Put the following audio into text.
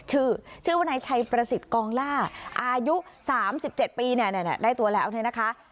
ชื่อชื่อวันนายชัยประสิทธิ์กองล่าอายุสามสิบเจ็ดปีเนี่ยได้ตัวแล้วนะคะ